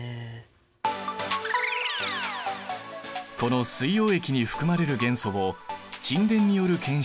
この水溶液に含まれる元素を沈殿による検出で確かめる実験だ。